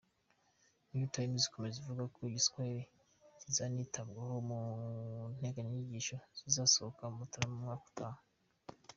New Times ikomeza ivuga ko Igiswahili kizanitabwaho mu nteganyanyigisho zizasohoka muri Mutarama umwaka utaha.